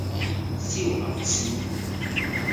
燒牛舌